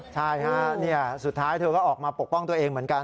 ใช่ฮะสุดท้ายเธอก็ออกมาปกป้องตัวเองเหมือนกัน